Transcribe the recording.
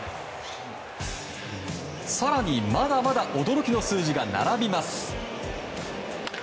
更に、まだまだ驚きの数字が並びます。